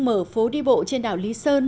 mở phố đi bộ trên đảo lý sơn